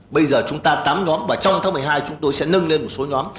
bây giờ chúng ta tám nhóm và trong tháng một mươi hai chúng tôi sẽ nâng lên một số nhóm